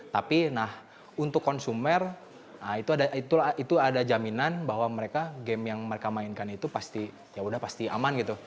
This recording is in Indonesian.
tapi untuk konsumer itu ada jaminan bahwa game yang mereka mainkan itu pasti aman gitu